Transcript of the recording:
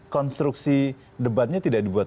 konstruksi debatnya tidak dibuat